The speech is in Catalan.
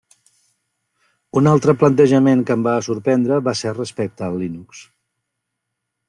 Un altre plantejament que em va sorprendre va ser respecte al Linux.